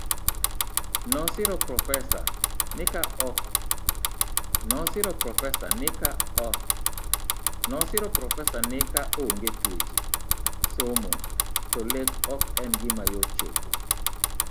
Nosiro Profesa ni ka onge tweche somo to lek ok en gima yot chopo